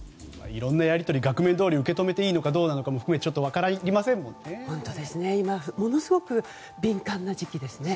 いろんなやり取り額面どおりに受け止めていいのかも含め今、ものすごく敏感な時期ですね。